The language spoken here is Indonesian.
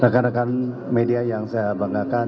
rekan rekan media yang saya banggakan